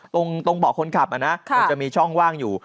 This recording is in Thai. ตรงเบาะคนขับมันจะมีช่องว่างอยู่